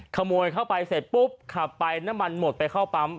ขโมยเข้าไปเสร็จปุ๊บขับไปน้ำมันหมดไปเข้าปั๊ม